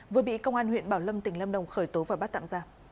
vừa bị công an huyện bảo lâm tỉnh lâm đồng khuyên